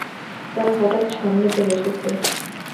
তারা হঠাৎ সামনে চলে এসেছে।